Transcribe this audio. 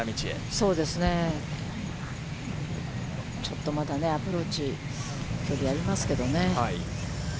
ちょっとまだアプローチ、距離がありますけどね。